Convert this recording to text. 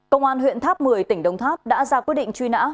công an huyện tháp một mươi tỉnh đồng tháp đã ra quyết định truy nã